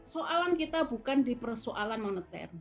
soalan kita bukan di persoalan moneter